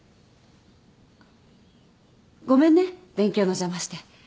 ごめんね勉強の邪魔して。